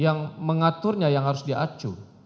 yang mengaturnya yang harus diacu